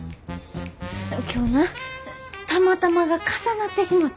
今日なたまたまが重なってしもて。